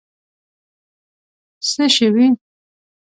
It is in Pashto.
څه شوي.